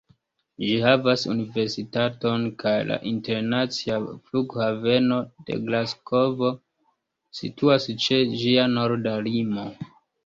Ĝi havas universitaton, kaj la internacia flughaveno de Glasgovo situas ĉe ĝia norda limo.